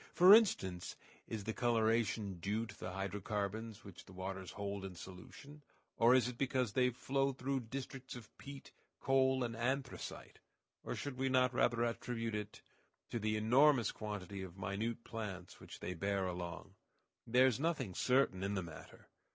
For instance, is the coloration due to the hydrocarbons which the waters hold in solution, or is it because they flow through districts of peat, coal, and anthracite; or should we not rather attribute it to the enormous quantity of minute plants which they bear along? There is nothing certain in the matter.